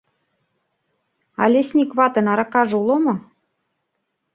— А лесник ватын аракаже уло мо?